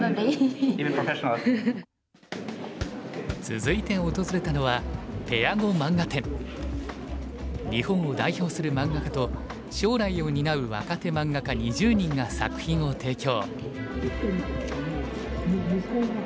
続いて訪れたのは日本を代表する漫画家と将来を担う若手漫画家２０人が作品を提供。